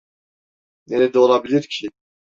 Nerede olabilir ki?